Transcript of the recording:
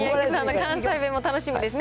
関西弁も楽しみですね。